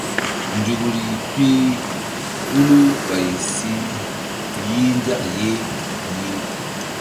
Nzukri pi hulu ɓay si yih nzak ye yih.